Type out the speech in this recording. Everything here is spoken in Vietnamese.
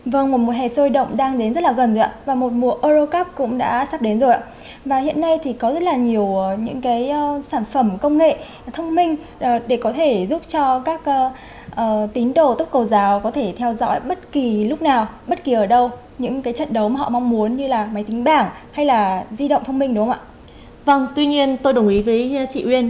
vâng tuy nhiên tôi đồng ý với chị uyên